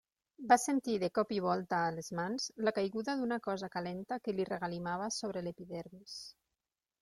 Va sentir de colp i volta a les mans la caiguda d'una cosa calenta que li regalimava sobre l'epidermis.